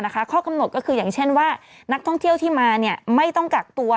ข้อกำหนดก็คืออย่างเช่นว่านักท่องเที่ยวที่มาไม่ต้องกักตัว